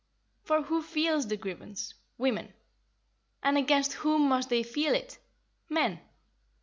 For who feels the grievance? Women. And against whom must they feel it? Men.